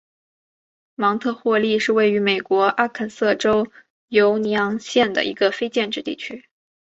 芒特霍利是位于美国阿肯色州犹尼昂县的一个非建制地区。